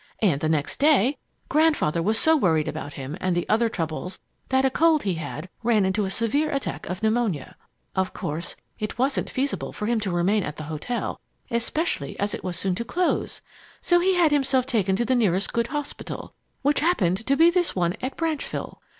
And the next day Grandfather was so worried about him and the other troubles that a cold he had ran into a severe attack of pneumonia. Of course, it wasn't feasible for him to remain at the hotel, especially as it was soon to close, so he had himself taken to the nearest good hospital, which happened to be this one at Branchville.